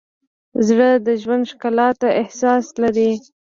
زړه د ژوند ښکلا ته احساس لري.